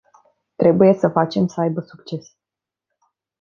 Trebuie să facem să aibă succes.